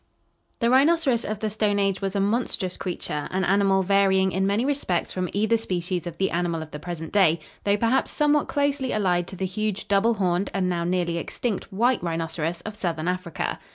The rhinoceros of the Stone Age was a monstrous creature, an animal varying in many respects from either species of the animal of the present day, though perhaps somewhat closely allied to the huge double horned and now nearly extinct white rhinoceros of southern Africa.